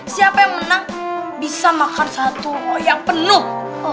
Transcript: siapa yang menang bisa makan satu yang penuh